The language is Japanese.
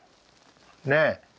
ねえ。